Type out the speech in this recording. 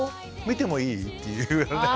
見てもいい？」っていうね。